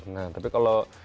nah tapi kalau